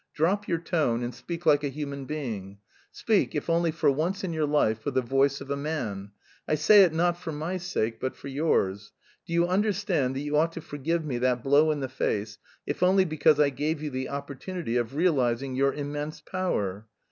Drop your tone, and speak like a human being! Speak, if only for once in your life with the voice of a man. I say it not for my sake but for yours. Do you understand that you ought to forgive me that blow in the face if only because I gave you the opportunity of realising your immense power.